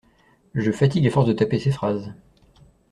Je fatigue à force de taper ces phrases.